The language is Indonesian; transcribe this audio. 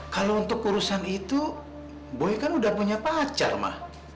kalau untuk urusan itu buy kan udah punya pacar mah